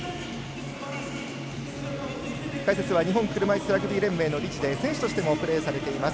解説は日本車いすラグビー連盟理事で選手としてもプレーされています。